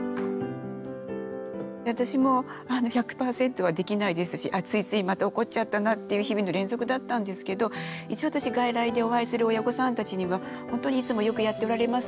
私も１００％はできないですしついついまた怒っちゃったなっていう日々の連続だったんですけど一応私外来でお会いする親御さんたちには本当にいつもよくやっておられますね。